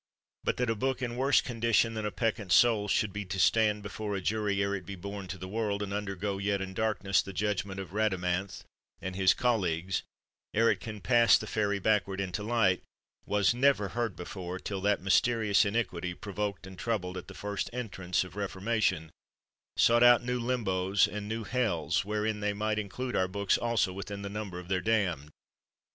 But that a book, in worse condition than a peccant soul, should be to stand before a jury ere it be born to the world, and undergo yet in darkness the judgment of Eadamanth and his colleags, ere it can pass the ferry backward into light, was never heard before, till that mysterious iniquity, pro voked and troubled at the first entrance of Ref ormation, sought out new limbos and new hells wherein they might include our books also within the number of their damned.